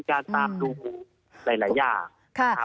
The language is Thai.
มีการตามดูหลายอย่าง